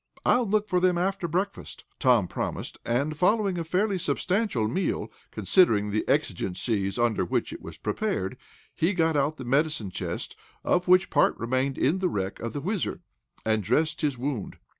"I'll look for them, after breakfast," Tom promised, and following a fairly substantial meal, considering the exigencies under which it was prepared, he got out the medicine chest, of which part remained in the wreck of the WHIZZER, and dressed his wound.